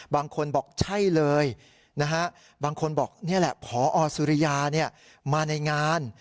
บางคนบอกใช่เลยบางคนบอกนี่แหละพอสุริยามาในงาน